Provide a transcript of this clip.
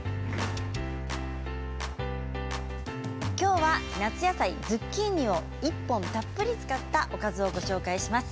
きょうは夏野菜ズッキーニを１本たっぷり使ったおかずをご紹介します。